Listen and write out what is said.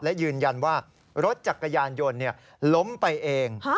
และยืนยันว่ารถจักรยานยนต์ล้มไปเอง